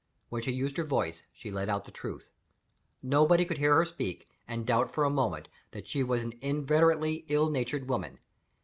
When she used her voice, she let out the truth. Nobody could hear her speak, and doubt for a moment that she was an inveterately ill natured woman.